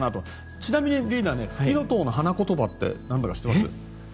ちなみに、リーダーフキノトウの花言葉ってなんだか知ってます？